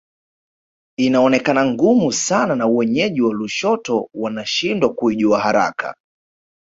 Inaonekana ngumu sana na wenyeji wa Lushoto wanashindwa kuijua haraka